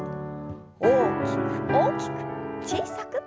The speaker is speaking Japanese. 大きく大きく小さく。